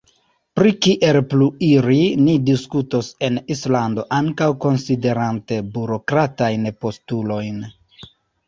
Pri kiel pluiri, ni diskutos en Islando, ankaŭ konsiderante burokratajn postulojn.